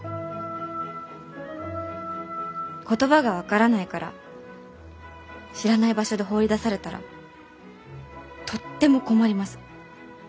言葉が分からないから知らない場所で放り出されたらとっても困ります。